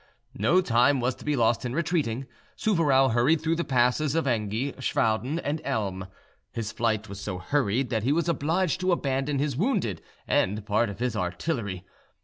No time was to be lost in retreating. Souvarow hurried through the passes of Engi, Schwauden, and Elm. His flight was so hurried that he was obliged to abandon his wounded and part of his artillery.